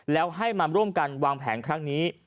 แล้วให้มาร่วมกันวางแผนครั้งนี้